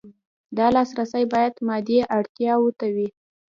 دا لاسرسی باید مادي اړتیاوو ته وي.